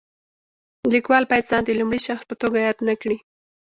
لیکوال باید ځان د لومړي شخص په توګه یاد نه کړي.